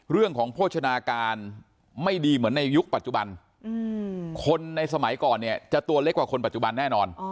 โภชนาการไม่ดีเหมือนในยุคปัจจุบันคนในสมัยก่อนเนี่ยจะตัวเล็กกว่าคนปัจจุบันแน่นอน